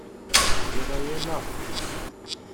Tebdiḍ-d aya, naɣ?